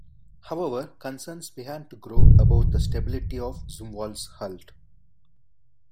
However, concerns began to grow about the stability of "Zumwalt"s hull.